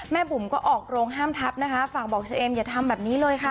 บุ๋มก็ออกโรงห้ามทับนะคะฝากบอกเชอเอมอย่าทำแบบนี้เลยค่ะ